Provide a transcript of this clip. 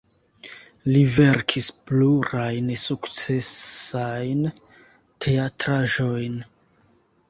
Li verkis plurajn sukcesajn teatraĵojn.